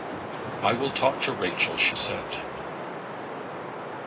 "I will talk to Rachel," she said.